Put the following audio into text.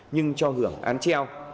nhưng cho hưởng án treo